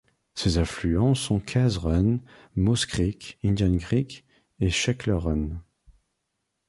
Ses affluents sont Kase Run, Mauses Creek, Indian Creek, et Sechler Run.